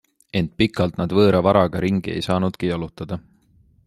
Ent pikalt nad võõra varaga ringi ei saanudki jalutada.